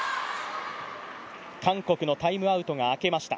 韓国のタイムアウトが明けました。